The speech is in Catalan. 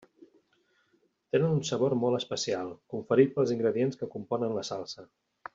Tenen un sabor molt especial, conferit pels ingredients que componen la salsa.